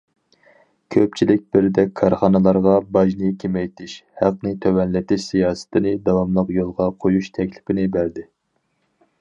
كۆپچىلىك بىردەك كارخانىلارغا باجنى كېمەيتىش، ھەقنى تۆۋەنلىتىش سىياسىتىنى داۋاملىق يولغا قويۇش تەكلىپىنى بەردى.